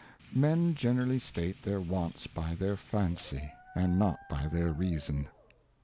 I>e.nres. MEN generally state their Wants by their Fancy, and not by ^eir Reason.